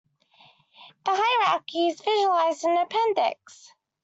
The hierarchy is visualized in the appendix.